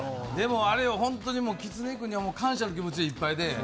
あれ、本当にきつね君には感謝の気持ちでいっぱいで。